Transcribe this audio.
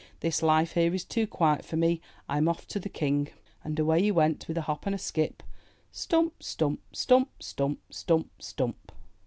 This life here is too quiet for me! Tm off to the King!*' And away he went with a hop and a skip — stump, stump! stump, stump! stump, stump!